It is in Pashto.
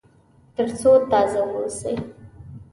تر څو تازه واوسي.